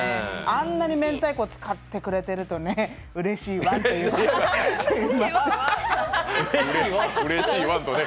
あんなに明太子使ってくれてるとね、うれしいワンということで。